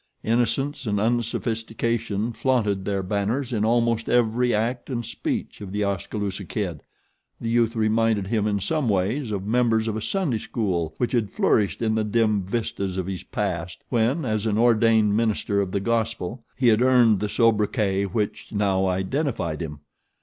Innocence and unsophistication flaunted their banners in almost every act and speech of The Oskaloosa Kid. The youth reminded him in some ways of members of a Sunday school which had flourished in the dim vistas of his past when, as an ordained minister of the Gospel, he had earned the sobriquet which now identified him.